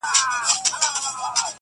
ډوب سم جهاني غوندي له نوم سره٫